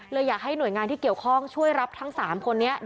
อยากให้หน่วยงานที่เกี่ยวข้องช่วยรับทั้ง๓คนนี้